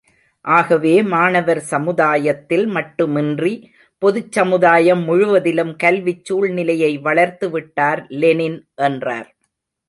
ஆகவே மாணவர் சமுதாயத்தில் மட்டுமின்றி, பொதுச்சமுதாயம் முழுவதிலும் கல்விச் சூழ்நிலையை வளர்த்து விட்டார் லெனின் என்றார்.